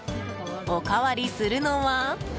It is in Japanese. おかわりするのは。